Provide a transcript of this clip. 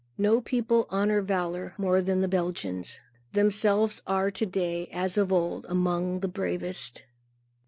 No people honor valor more than the Belgians. Themselves are to day, as of old, among the bravest.